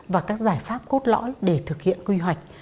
và các giải pháp cốt lõi để thực hiện quy hoạch